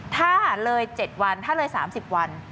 ถ้าเลยเจ็ดวันถ้าเลยสามสิบวัน